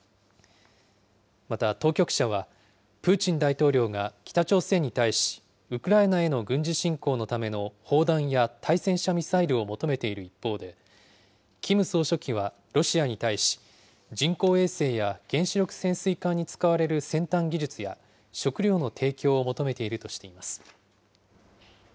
また当局者は、プーチン大統領が北朝鮮に対し、ウクライナへの軍事侵攻のための砲弾や対戦車ミサイルを求めている一方で、キム総書記はロシアに対し、人工衛星や原子力潜水艦に使われる先端技術や食料の提供を求めて